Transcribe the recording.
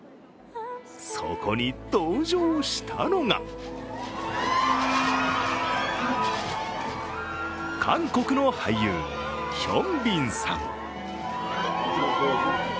そこに登場したのが韓国の俳優、ヒョンビンさん。